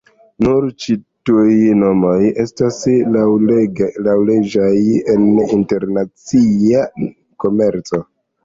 Nur ĉi-tuj nomoj estas laŭleĝaj en internacia komerco.